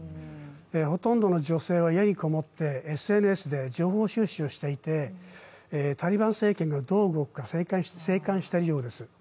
ほとんどの女性は家にこもってＳＮＳで情報収集していて、タリバン政権がどう動くか静観しているようです。